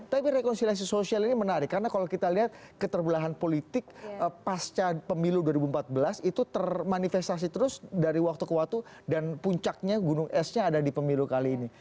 tapi rekonsiliasi sosial ini menarik karena kalau kita lihat keterbelahan politik pasca pemilu dua ribu empat belas itu termanifestasi terus dari waktu ke waktu dan puncaknya gunung esnya ada di pemilu kali ini